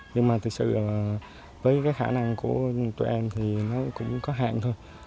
nhưng mà thực sự là với cái khả năng của tụi em thì nó cũng có hạn thôi